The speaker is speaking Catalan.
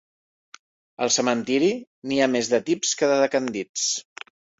Al cementiri, n'hi ha més de tips que de decandits.